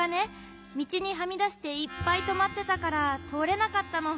みちにはみだしていっぱいとまってたからとおれなかったの。